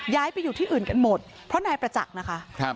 ย้ายไปอยู่ที่อื่นกันหมดเพราะนายประจักษ์นะคะ